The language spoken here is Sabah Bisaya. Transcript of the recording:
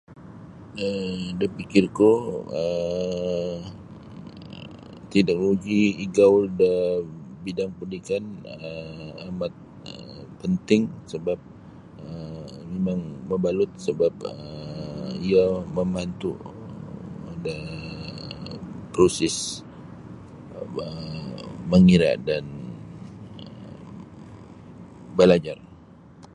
um da pikirku um teknologi igaul da bidang pendidikan um amat penting sabap um mimang mabalut sabap um iyo mambantu da proses um mangira' dan balajar.